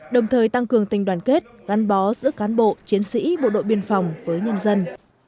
đồng thời tăng cường tình đoàn kết gắn bó giữa cán bộ chiến sĩ bộ đội biên phòng với nhân dân